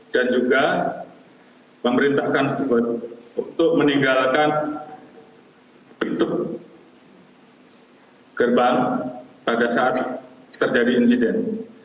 dan juga pemerintahkan steward untuk meninggalkan pintu gerbang pada saat terjadi insiden